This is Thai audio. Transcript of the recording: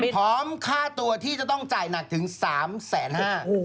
ค่าตัวที่จะต้องจ่ายหนักถึง๓๕๐๐บาท